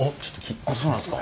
あっそうなんですか。